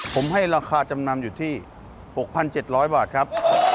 ผมให้ราคาจำนำอยู่ที่๖๗๐๐บาทครับ